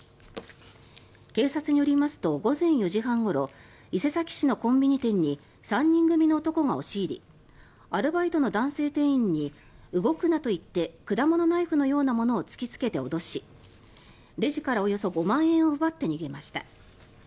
警察によりますと午前４時半ごろ伊勢崎市のコンビニ店に３人組の男が押し入りアルバイトの男性店員に動くなと言って果物ナイフのようなものを突きつけて脅しレジからおよそ５万円を奪って逃げました。